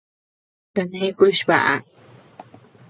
Kane kuch baʼa.